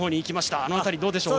あの辺り、どうでしょう。